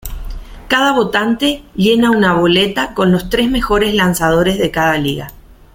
Cada votante llena una boleta con los tres mejores lanzadores de cada liga.